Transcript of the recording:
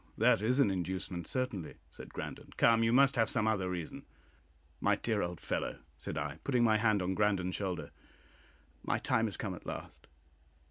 "That is an inducement, certainly," said Grandon. "Come, you must have some other reason!" "My dear old fellow," said I, putting my hand on Grandon's shoulder, "my time is come at last.